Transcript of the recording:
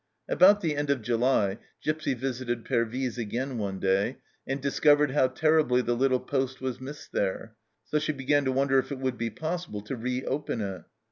About the end of July, Gipsy visited Pervyse again one day, and discovered how terribly the little poste was missed there, so she began to wonder if it would be possible to reopen it.